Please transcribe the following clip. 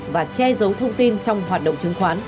và che giấu thông tin trong hoạt động chứng khoán